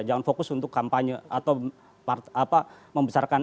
jangan fokus untuk kampanye atau membesarkan